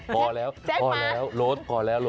ป่ะแจ๊กมาพอแล้วรถแล้ว